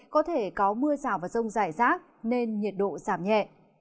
có thể có mưa rào và rông rải rác nên nhiệt độ giảm nhẹ